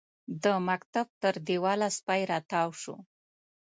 د مکتب تر دېواله سپی راتاو شو.